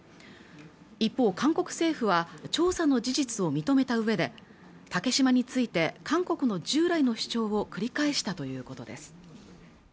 一方韓国政府は調査の事実を認めた上で竹島について韓国の従来の主張を繰り返したということです